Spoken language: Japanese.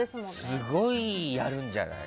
すごいやるんじゃない？